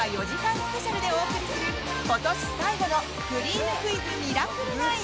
スペシャルでお送りする、今年最後の「くりぃむクイズミラクル９」！